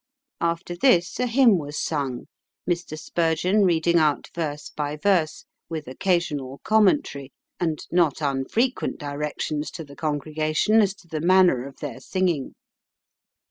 After this a hymn was sung, Mr. Spurgeon reading out verse by verse, with occasional commentary, and not unfrequent directions to the congregation as to the manner of their singing.